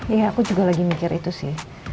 ya aku juga lagi mikir itu sih